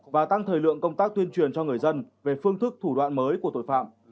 và tăng thời lượng công tác tuyên truyền cho người dân về phương thức thủ đoạn mới của tội phạm